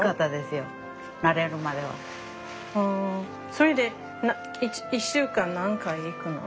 それで１週間何回行くの？